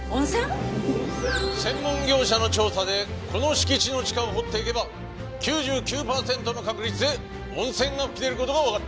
専門業者の調査でこの敷地の地下を掘っていけば９９パーセントの確率で温泉が噴き出る事がわかった。